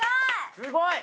すごい！